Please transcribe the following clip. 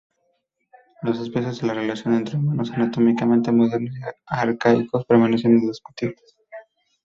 Los aspectos de la relación entre humanos anatómicamente modernos y arcaicos permanecen discutibles.